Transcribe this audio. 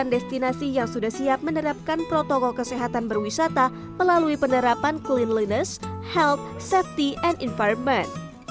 delapan destinasi yang sudah siap menerapkan protokol kesehatan berwisata melalui penerapan cleanliness health safety and environment